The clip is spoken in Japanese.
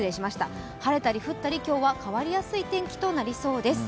晴れたり降ったり、今日は変わりやすい天気となりそうです。